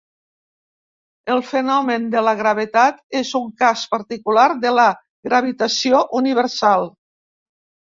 El fenomen de la gravetat és un cas particular de la gravitació universal.